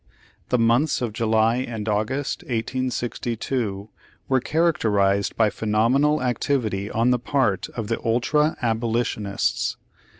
The months of July and August, 1862 were characterized by phe nomenal activity on the part of the ultra aboli tionists.